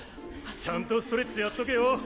ちゃんとストレッチやっとけよ！